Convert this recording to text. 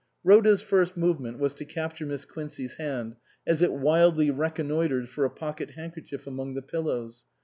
Rhoda's first movement was to capture Miss Quincey's hand as it wildly reconnoitred for a pocket handkerchief among the pillows.